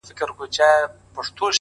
هغه چوپ ناست وي تل,